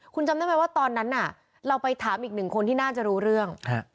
คุณจำได้ไหมว่าตอนนั้นน่ะเราไปถามอีกหนึ่งคนที่น่าจะรู้เรื่อง